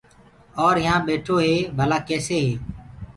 اور يهآنٚ ٻيٺو هي ڀلآ ڪيسي هي۔